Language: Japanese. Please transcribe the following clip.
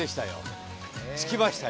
着きました。